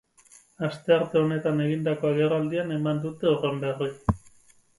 Astearte honetan egindako agerraldian eman dute horren berri.